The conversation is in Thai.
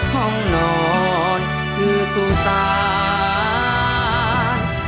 ห้องนอนคือสุสาน